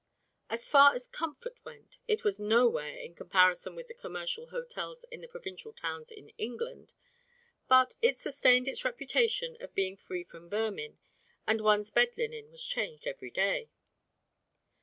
As far as comfort went it was nowhere in comparison with the commercial hotels in the provincial towns in England, but it sustained its reputation of being free from vermin, and one's bed linen was changed every day.